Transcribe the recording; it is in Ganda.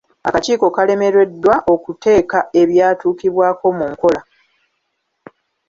Akikiiko kalemereddwa okuteeka ebyatuukibwako mu nkola.